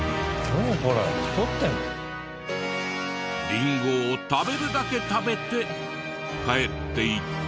リンゴを食べるだけ食べて帰っていった。